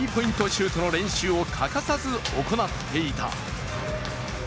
シュートの練習を欠かさず行っていた。